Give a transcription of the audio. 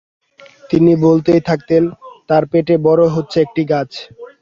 তিনি বলতেই থাকলেন, তাঁর পেটে বড় হচ্ছে একটা গাছ।